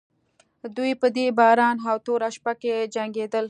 دوی په دې باران او توره شپه کې جنګېدل.